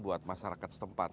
buat masyarakat setempat